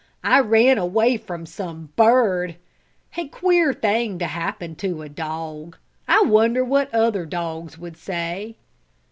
I ran away from some bird! A queer thing to happen to a dog! I wonder what other dogs would say?"